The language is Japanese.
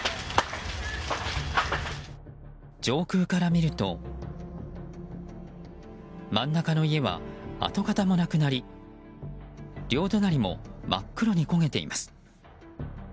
上空から見ると真ん中の家は跡形もなくなり両隣も真っ黒に焦げています。